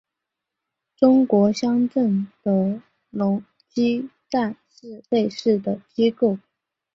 中国乡镇的农机站是类似的机构。